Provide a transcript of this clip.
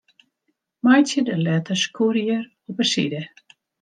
Meitsje de letters Courier op 'e side.